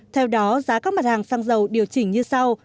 theo đó giá các mặt hàng xăng dầu điều chỉnh như sau